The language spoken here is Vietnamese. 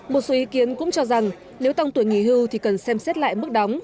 một số ý kiến cũng cho rằng nếu tăng tuổi nghỉ hưu thì cần xem xét lại mức đóng